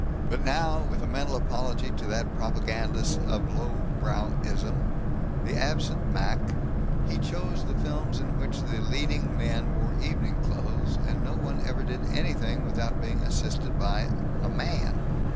But now, with a mental apology to that propagandist of lowbrowism, the absent Mac, he chose the films in which the leading men wore evening clothes, and no one ever did anything without being assisted by a "man."